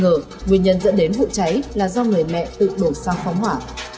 nguyên nhân dẫn đến vụ cháy là do người mẹ tự đổ sang phóng hỏa